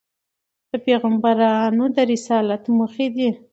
د پیغمبرانود رسالت موخي دي.